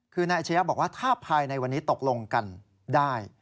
คือนายอาชญะบอกว่าถ้าภายในวันนี้ตกลงกันได้